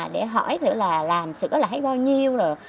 để hỏi thử là làm sửa là hay bao nhiêu